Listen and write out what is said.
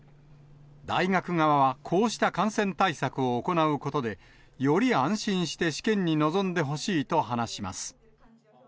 大学側はこうした感染対策を行うことで、より安心して試験に臨んでほしいと話します。